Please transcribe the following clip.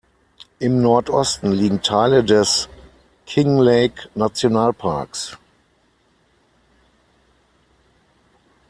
Im Nordosten liegen Teile des "Kinglake-Nationalparks".